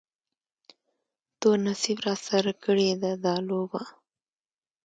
تور نصیب راسره کړې ده دا لوبه